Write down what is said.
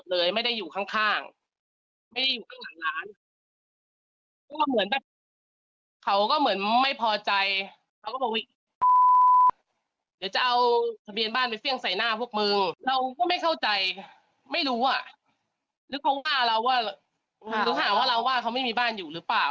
เราก็ไม่เข้าใจไม่รู้อ่ะนึกว่าตามรู้หรือหาเรามีบ้านอยู่หรือเปล่า